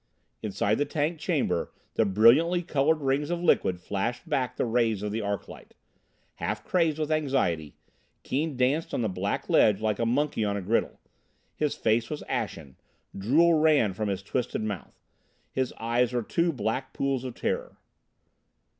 Inside the tank chamber the brilliantly colored rings of liquid flashed back the rays of the arclight. Half crazed with anxiety, Keane danced on the black ledge like a monkey on a griddle. His face was ashen, drool ran from his twisted mouth, his eyes were two black pools of terror.